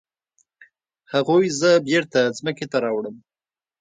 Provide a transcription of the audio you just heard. هغوی زه بیرته ځمکې ته راوړم.